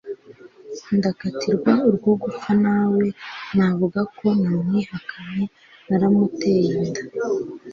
ndakatirwa urwo gupfa nawe navuga ko namwihakanye naramuteye inda